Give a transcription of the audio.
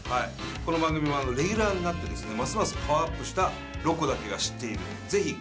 この番組レギュラーになってですねますますパワーアップした「ロコだけが知っている」